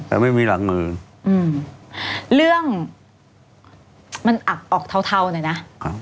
แต่ไม่มีหลังมืออืมเรื่องมันอักออกเทาเทาหน่อยนะ